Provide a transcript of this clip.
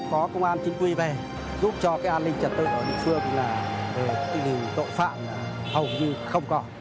có công an chính quy về giúp cho cái an ninh trật tự ở địa phương là tình hình tội phạm hầu như không còn